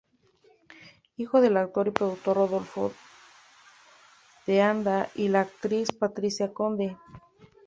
Hijo del actor y productor Rodolfo de Anda y la actriz Patricia Conde.